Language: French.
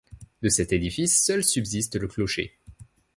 De cet édifice, seul subsiste le clocher.